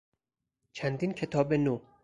چندین کتاب نو